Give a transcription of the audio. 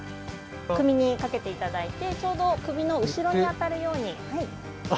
首にかけていただいて首の後ろに当たるように。